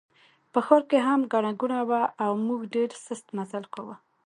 په ښار کې هم ګڼه ګوڼه وه او موږ ډېر سست مزل کاوه.